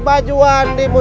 terima kasih ibu